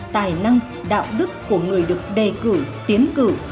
tài năng đạo đức của người được đề cử tiến cử